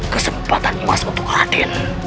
kesempatan emas untuk raden